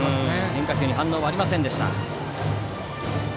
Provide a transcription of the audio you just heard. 変化球に反応はありませんでした。